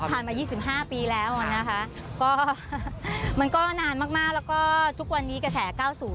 ก็ผ่านมายี่สิบห้าปีแล้วนะคะก็มันก็นานมากแล้วก็ทุกวันนี้กระแสเก้าสูบ